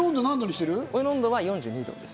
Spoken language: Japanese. お湯の温度は４２度です。